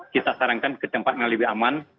kita sarankan ke tempat yang lebih aman